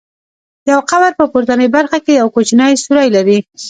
یو قبر په پورتنۍ برخه کې یو کوچنی سوری لري.